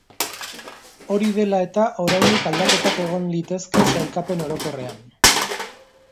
Hori dela eta, oraindik aldaketak egon litezke sailkapen orokorrean.